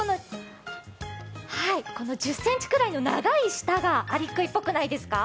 この１０センチぐらいの長い舌がアリクイっぽくないですか？